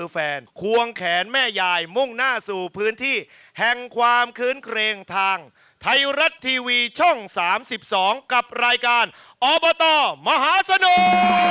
เพลงทางไทยรัตทีวีช่อง๓๒กับรายการอบตมหาสนุก